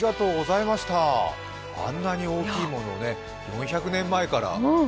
あんなに大きいものを４００年前から。